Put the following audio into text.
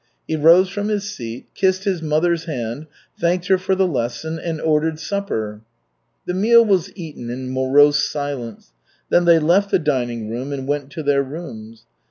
He rose from his seat, kissed his mother's hand, thanked her for the "lesson," and ordered supper. The meal was eaten in morose silence. Then they left the dining room and went to their rooms.